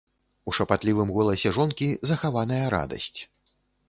У шапатлівым голасе жонкі захаваная радасць.